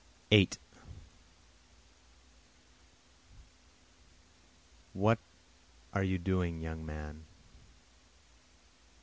8 What are you doing young man?